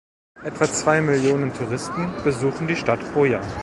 Etwa zwei Millionen Touristen besuchen die Stadt pro Jahr.